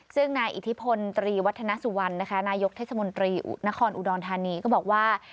ซึ่งนายอิทธิพลตรีวัฒนสุวรรณนะคะนายกเทศมนตรีนครอุดรธานีก็บอกว่า